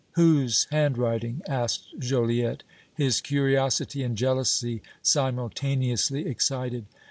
"Whose handwriting?" asked Joliette, his curiosity and jealousy simultaneously excited.